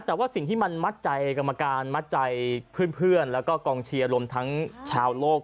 แต่ว่าสิ่งที่มันมัดใจกรรมการมัดใจเพื่อนแล้วก็กองเชียร์รวมทั้งชาวโลก